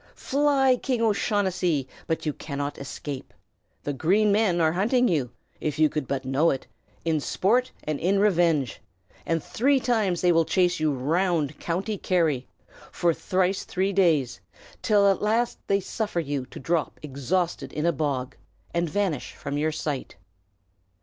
Fly, King O'Shaughnessy! but you cannot escape. The Green Men are hunting you, if you could but know it, in sport and in revenge; and three times they will chase you round County Kerry, for thrice three days, till at last they suffer you to drop exhausted in a bog, and vanish from your sight.